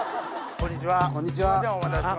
こんにちは。